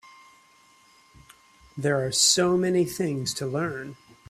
There are so many things to learn.